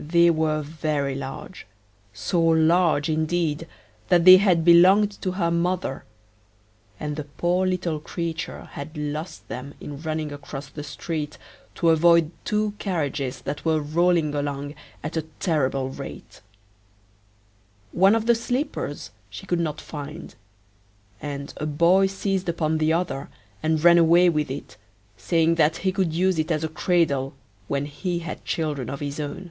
They were very large, so large, indeed, that they had belonged to her mother, and the poor little creature had lost them in running across the street to avoid two carriages that were rolling along at a terrible rate. One of the slippers she could not find, and a boy seized upon the other and ran away with it, saying that he could use it as a cradle, when he had children of his own.